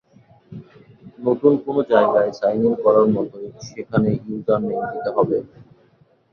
নতুন কোনো জায়গায় সাইন ইন করার মতোই সেখানে ইউজার নেম দিতে হবে।